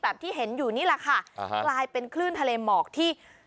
ที่เห็นอยู่นี่แหละค่ะอ่าฮะกลายเป็นคลื่นทะเลหมอกที่